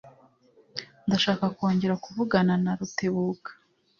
Ndashaka kongera kuvugana na Rutebuka.